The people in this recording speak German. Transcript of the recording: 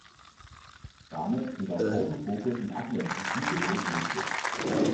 Damit sind auch Autofokus und Abblenden wie gewohnt möglich.